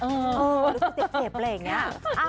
รู้สึกเจ็บอะไรอย่างนี้